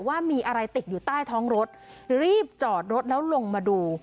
ว่ามีอะไรติดอยู่ใต้ท้องรถรีบจอดรถแล้วลงมาดู